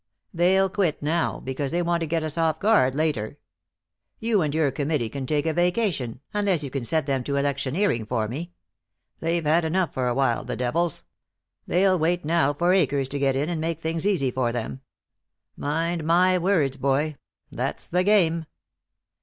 They'll quit now, because they want to get us off guard later. You and your committee can take a vacation, unless you can set them to electioneering for me. They've had enough for a while, the devils. They'll wait now for Akers to get in and make things easy for them. Mind my words, boy. That's the game."